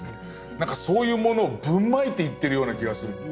何かそういうものをぶんまいていってるような気がする。